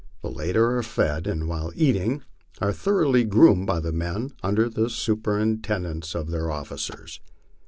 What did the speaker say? The latter are fed, and while eating are thoroughly groomed by the men, under the superintendence of their officers.